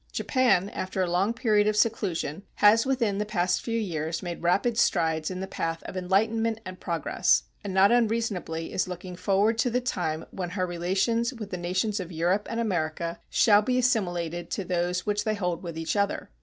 Japan, after a long period of seclusion, has within the past few years made rapid strides in the path of enlightenment and progress, and, not unreasonably, is looking forward to the time when her relations with the nations of Europe and America shall be assimilated to those which they hold with each other.